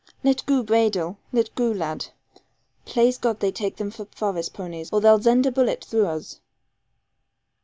'Let goo braidle; let goo, lad. Plaise God they take them for forest ponies, or they'll zend a bullet through us.'